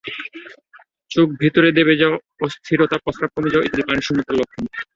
চোখ ভেতরে দেবে যাওয়া, অস্থিরতা, প্রস্রাব কমে যাওয়া ইত্যাদি পানিশূন্যতার লক্ষণ।